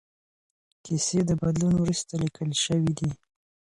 کیسې د بدلون وروسته لیکل شوې دي.